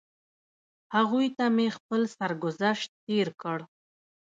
هغوی ته مې خپل سرګذشت تېر کړ.